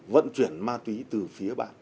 vận chuyển ma túy từ phía bạn